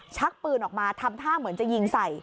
ชักปืนออกมาทำท่าเหมือนจะยิงใส่